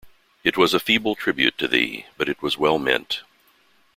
It was a feeble tribute to thee, but it was well meant.